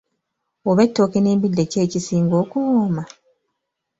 Oba ettooke n’embidde ki ekisinga okuwooma?